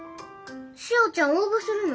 しおちゃん応募するの？